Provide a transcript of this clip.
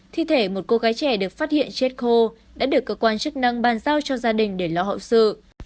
thi thể một cô gái trẻ được phát hiện chết khô đã được cơ quan chức năng bàn giao cho gia đình để lo hậu sự